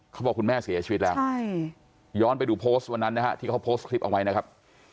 คุณแม่เสียชีวิตแล้วย้อนไปดูโพสต์วันนั้นนะฮะที่เขาโพสต์คลิปเอาไว้นะครับ